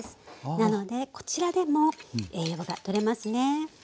なのでこちらでも栄養が取れますね。